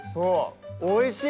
おいしい！